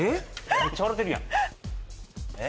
めっちゃ笑うてるやん・えっ？